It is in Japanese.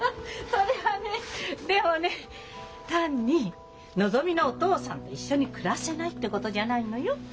そりゃあねでもね単にのぞみのお父さんと一緒に暮らせないってことじゃないのよ。